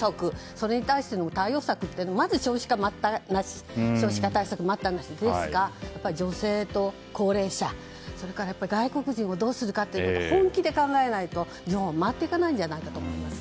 それに対しての対応策ってまずは少子化対策待ったなしですが女性と高齢者、それから外国人をどうするかというのは本気で考えないと日本は回っていかないと思います。